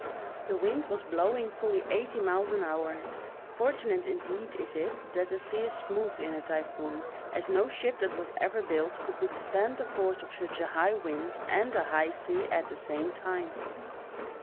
The wind was blowing fully eighty miles an hour; fortunate indeed is it that the sea is smooth in a typhoon, as no ship that was ever built could withstand the force of such a high wind and a high sea at the same time.